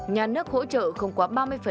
nhà nước hỗ trợ không quá ba mươi